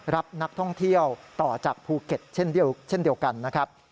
รับนักท่องเที่ยวต่อจากภูเก็ตเช่นเดียวกันนะครับ